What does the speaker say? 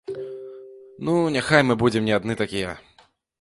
Ну, няхай мы будзем не адны такія.